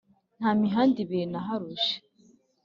Nta mihanda ibiri naharuje!